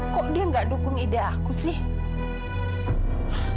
kok dia gak dukung ide aku sih